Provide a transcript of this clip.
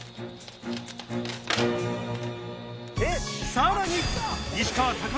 さらに！